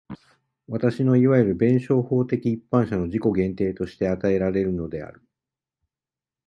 私のいわゆる弁証法的一般者の自己限定として与えられるのである。